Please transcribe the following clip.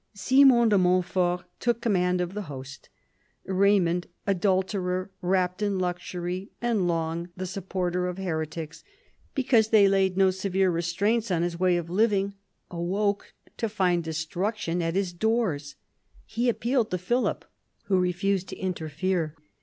Simon de Montfort took command of the host. Raymond, adulterer, wrapped in luxury, and long the supporter of heretics because they laid no severe restraints on his way of living, awoke to find destruction at his doors. He appealed to Philip, who refused to interfere.